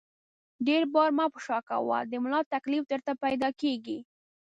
ډېر بار مه په شا کوه ، د ملا تکلیف درته پیدا کېږي!